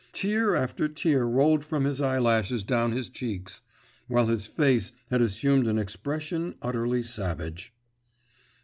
Tear after tear rolled from his eyelashes down his cheeks … while his face had assumed an expression utterly savage.